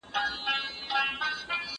زه اوس لاس پرېولم؟!